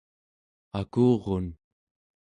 akurun